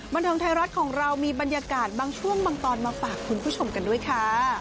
บันเทิงไทยรัฐของเรามีบรรยากาศบางช่วงบางตอนมาฝากคุณผู้ชมกันด้วยค่ะ